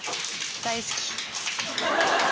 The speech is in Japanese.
大好き。